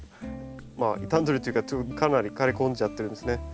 まあ傷んでるというかかなり枯れ込んじゃってるんですね。